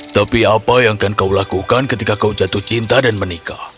tapi apa yang akan kau lakukan ketika kau jatuh cinta dan menikah